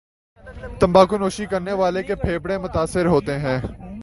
تمباکو نوشی کرنے والے کے پھیپھڑے متاثر ہوتے ہیں